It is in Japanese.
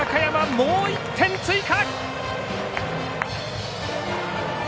もう１点追加。